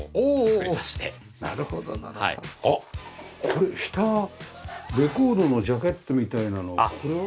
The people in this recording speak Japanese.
これ下レコードのジャケットみたいなのはこれは？